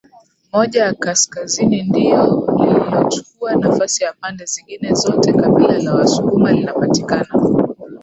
moja ya Kaskazini ndio lililochukua nafasi ya pande zingine zoteKabila la wasukuma linapatikana